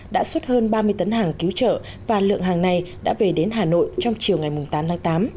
đã xuất hơn ba mươi tấn hàng cứu trợ và lượng hàng này đã về đến hà nội trong chiều ngày tám tháng tám